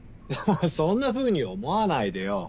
そんなふうに思わないでよ。